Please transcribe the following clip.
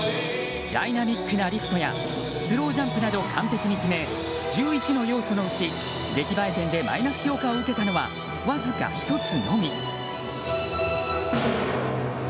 ダイナミックなリフトやスロージャンプなどをきれいに決め１１の要素のうち出来栄え点でマイナス評価を受けたのはわずか１つのみ。